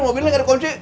mobilnya ga ada kunci